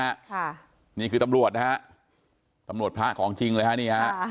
ค่ะนี่คือตำรวจนะฮะตำรวจพระของจริงเลยฮะนี่ฮะ